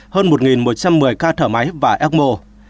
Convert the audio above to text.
hơn một một trăm một mươi ca thở máy và ecmo